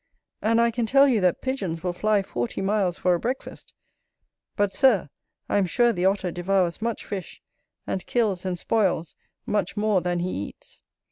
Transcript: And I can tell you that Pigeons will fly forty miles for a breakfast: but, Sir, I am sure the Otter devours much fish, and kills and spoils much more than he eats.